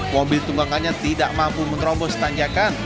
mobil tunggakannya tidak mampu menerobos tanjakan